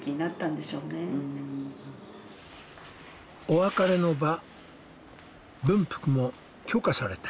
お別れの場文福も許可された。